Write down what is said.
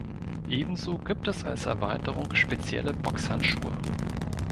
Ebenso gibt es als Erweiterung spezielle Boxhandschuhe.